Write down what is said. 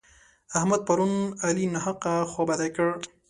احمد پرون علي ناحقه خوابدی کړ.